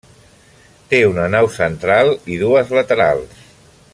Té una nau central i dues laterals.